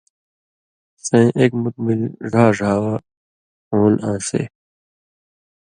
سَئیں اک مُت مِل ڙھا ڙھاوہ ہُونٚل آنٚسے